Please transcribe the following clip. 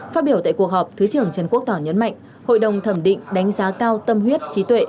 phát biểu tại cuộc họp thứ trưởng trần quốc tỏ nhấn mạnh hội đồng thẩm định đánh giá cao tâm huyết trí tuệ